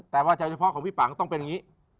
แต่ว่าใจเฉพาะของพี่ปังต้องเป็นอย่างนี้